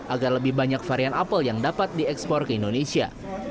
agar lebih banyak varian apple yang dapat diekspor ke indonesia